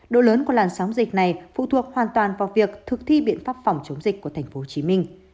độ lớn của làn sóng dịch này phụ thuộc hoàn toàn vào việc thực thi biện pháp phòng chống dịch của tp hcm